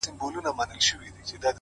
ساده ژوند د زړه ژور سکون راولي،